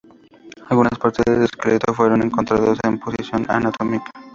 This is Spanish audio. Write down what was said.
Algunas partes del esqueleto fueron encontrados en posición anatómica.